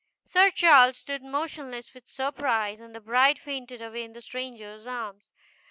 Sir Charles stood motionless with surprise, and the bride fainted away in the stranger's arms.